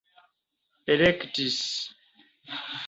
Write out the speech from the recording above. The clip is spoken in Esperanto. elektis